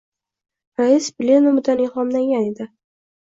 Rais plenumidan ilhomlangan edi.